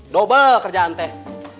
doba kerjaan teh